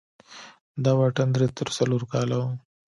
دا واټن درې تر څلور کاله و.